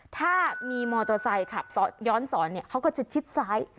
ถ้ามีมอเตอร์ไซค์ขับย้อนสอนเนี่ยเขาก็จะชิดซ้าย